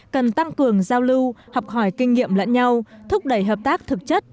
cần tăng cường giao lưu học hỏi kinh nghiệm lẫn nhau thúc đẩy hợp tác thực chất